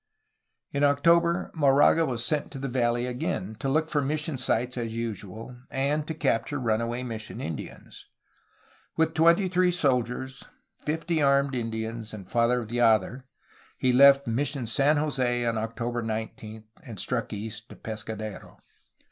In October, Moraga was sent to the valley again, to look for mission sites as usual and to capture runaway mission 426 A HISTORY OF CALIFORNIA Indians. With twenty three soldiers, fifty armed Indians, and Father Viader, he left Mission San Jose on October 19, and struck east to Pescadero.